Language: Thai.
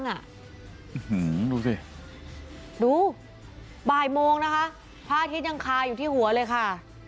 ดูสิดูบ่ายโมงนะคะพระอาทิตย์ยังคาอยู่ที่หัวเลยค่ะ